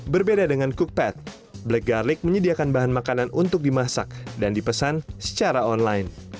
berbeda dengan cookpad black garlic menyediakan bahan makanan untuk dimasak dan dipesan secara online